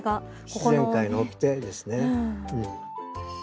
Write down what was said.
自然界のおきてですね。